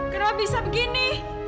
kenapa bisa begini